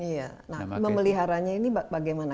iya nah memeliharanya ini bagaimana